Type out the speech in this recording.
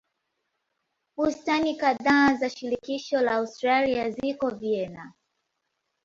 Bustani kadhaa za shirikisho la Austria ziko Vienna.